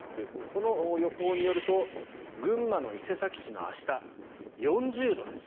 この予報によると群馬の伊勢崎市は明日、４０度です。